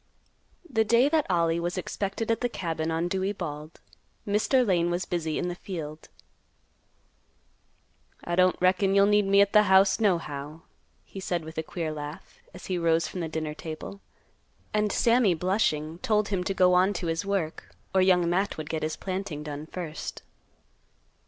The day that Ollie was expected at the cabin on Dewey Bald, Mr. Lane was busy in the field. "I don't reckon you'll need me at th' house nohow," he said with a queer laugh, as he rose from the dinner table; and Sammy, blushing, told him to go on to his work, or Young Matt would get his planting done first.